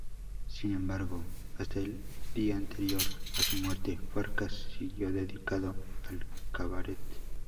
Sin embargo, hasta el día anterior a su muerte, Farkas siguió dedicado al cabaret.